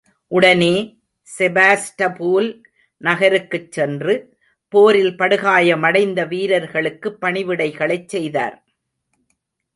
உடனே, செபாஸ்டபூல் நகருக்குச் சென்று, போரில் படுகாயமடைந்த வீரர்களுக்கு பணிவிடைகளைச் செய்தார்.